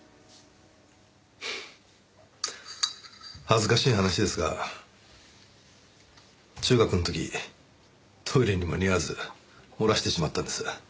フッ恥ずかしい話ですが中学の時トイレに間に合わず漏らしてしまったんです。